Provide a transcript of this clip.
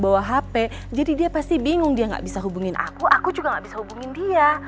bawa hp jadi dia pasti bingung dia nggak bisa hubungi aku aku juga nggak hubungi dia